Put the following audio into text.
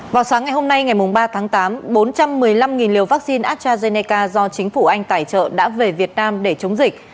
vào sáng ngày hôm nay ngày ba tháng tám bốn trăm một mươi năm liều vaccine astrazeneca do chính phủ anh tài trợ đã về việt nam để chống dịch